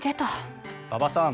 馬場さん